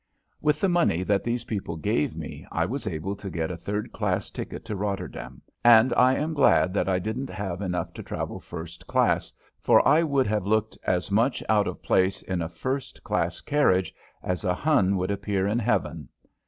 With the money that these people gave me I was able to get a third class ticket to Rotterdam, and I am glad that I didn't have enough to travel first class, for I would have looked as much out of place in a first class carriage as a Hun would appear in heaven.